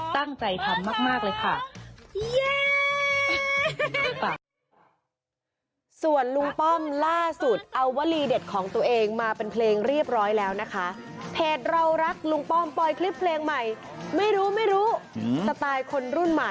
ตั้งใจทำมากเลยค่ะ